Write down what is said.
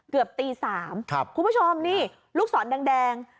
เกือบตีสามครับคุณผู้ชมนี่ลูกศรแดงแดง